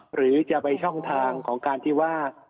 หรือจะไปช่องทางของการที่ว่า